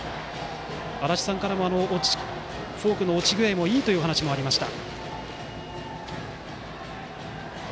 足達さんからもフォークの落ち具合がいいという話もありました。